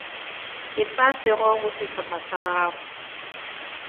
Efa pego go sehlopha sa gago.